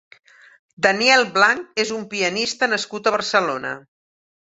Daniel Blanch és un pianista nascut a Barcelona.